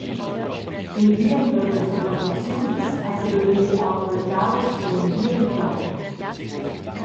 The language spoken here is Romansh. Il diember da pernottaziuns ha saviu vegnir augmentaus per in bien ton.